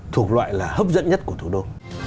thuộc loại là hấp dẫn nhất của thủ đô